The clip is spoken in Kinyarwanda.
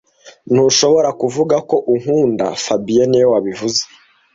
Ntushobora kuvuga ko unkunda fabien niwe wabivuze